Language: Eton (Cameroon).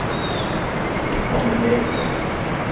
Miss mo mene ebeng.